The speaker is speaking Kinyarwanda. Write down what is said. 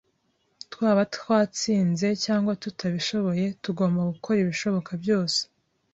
Twaba twatsinze cyangwa tutabishoboye, tugomba gukora ibishoboka byose.